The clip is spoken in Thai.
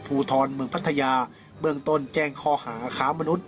ภูทรเมืองพัทยาเบื้องต้นแจ้งข้อหาค้ามนุษย